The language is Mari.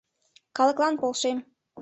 Калыклан полшем.